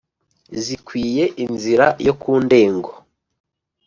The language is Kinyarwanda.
zikwiye inzira yo ku ndengo